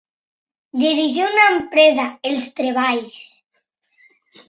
Dirigir una empresa, els treballs.